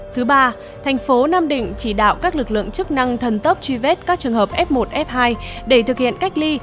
thứ ba thành phố nam định chỉ đạo các lực lượng chức năng thần tốc truy vết các trường hợp f một f hai để thực hiện cách ly